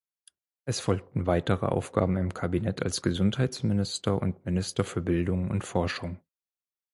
Es folgten weitere Aufgaben im Kabinett als Gesundheitsminister und Minister für Bildung und Forschung.